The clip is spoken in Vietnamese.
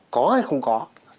có hay không có